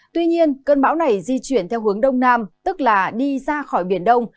tuy nhiên cơn bão này di chuyển theo hướng đông nam tức là đi ra khỏi biển đông